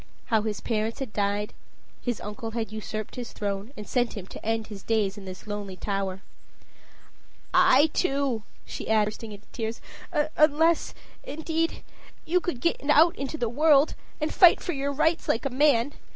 How his parents had died his uncle had usurped his throne, and sent him to end his days in this lonely tower. "I, too," added she, bursting into tears. "Unless, indeed, you could get out into the world, and fight for your rights like a man.